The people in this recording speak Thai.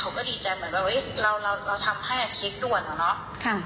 เขาก็ดีใจเหมือนว่าเฮ้ยเราทำให้เค้กด่วนเหรอเนอะ